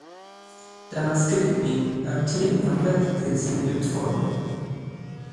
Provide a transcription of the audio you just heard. Denna skrivning är tvingade till sin utformning.